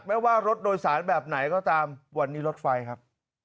ไม่ว่ารถโดยสารแบบไหนก็ตามวันนี้รถไฟครับ